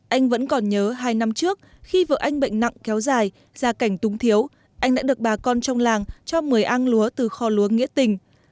anh vẫn còn nhớ hai năm trước khi vợ anh bệnh nặng kéo dài gia cảnh túng thiếu anh đã được bà con trong làng cho một mươi ang lúa từ kho lúa nghĩa tình